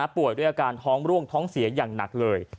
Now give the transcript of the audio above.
ป่วยด้วยอาการท้องร่วงท้องเสียอย่างหนักเลย